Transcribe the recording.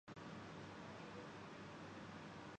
اس داستان کا آخری باب، لگتا ہے کہ لکھا جا رہا ہے۔